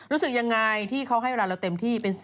รู้สึกยังไงที่เขาให้เวลาเราเต็มที่